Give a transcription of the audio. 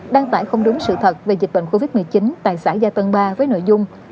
đăng tải không đúng sự thật về dịch bệnh covid một mươi chín tại xã gia tân ba với nội dung